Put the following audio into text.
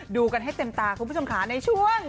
ดูกันให้เต็มตาคุณผู้ชมค่ะในช่วง